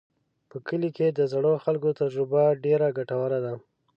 په کلي کې د زړو خلکو تجربه ډېره ګټوره ده.